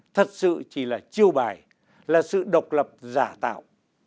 thật sự chỉ là chiêu bài là sự độc lập giả tạo